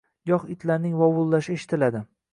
Goh itlarning vovullashi eshitiladi